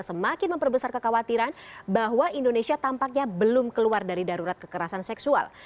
semakin memperbesar kekhawatiran bahwa indonesia tampaknya belum keluar dari darurat kekerasan seksual